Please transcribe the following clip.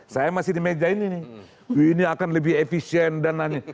saya masih di meja ini nih ini akan lebih efisien dan lain lain